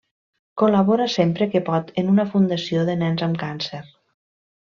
Col·labora sempre que pot en una fundació de nens amb càncer.